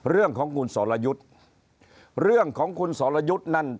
เรื่องของคุณสรยุทธ์เรื่องของคุณสรยุทธ์นั่น